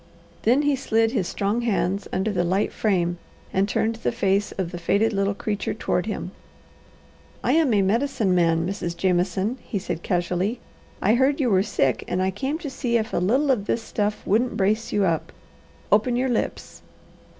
Then he slid his strong hands under the light frame and turned the face of the faded little creature toward him. "I am a Medicine Man, Mrs. Jameson," he said casually. "I heard you were sick and I came to see if a little of this stuff wouldn't brace you up. Open your lips."